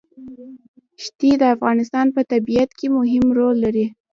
ښتې د افغانستان په طبیعت کې مهم رول لري.